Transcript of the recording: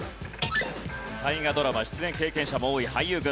大河ドラマ出演経験者も多い俳優軍。